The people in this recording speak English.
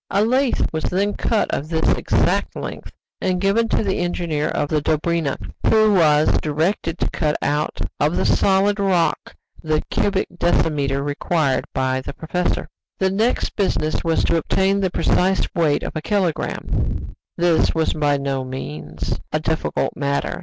A lath was then cut of this exact length and given to the engineer of the Dobryna, who was directed to cut out of the solid rock the cubic decimeter required by the professor. The next business was to obtain the precise weight of a kilogramme. This was by no means a difficult matter.